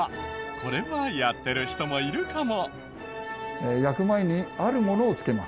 これはやってる人もいるかも。